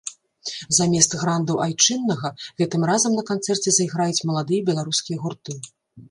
Замест грандаў айчыннага гэтым разам на канцэрце зайграюць маладыя беларускія гурты.